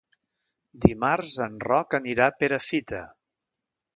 Dimarts en Roc anirà a Perafita.